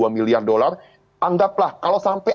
dua miliar dolar anggaplah kalau sampai